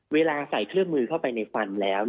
เวลาใส่เครื่องมือเข้าไปในฟันแล้ว